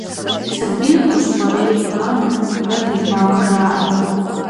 Сабийр хущхьэрей хъуамэ, нэ техуауэ жаӀэрт.